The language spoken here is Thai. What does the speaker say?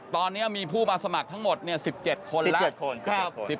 ตอนนี้มีผู้มาสมัครทั้งหมด๑๗คนแล้ว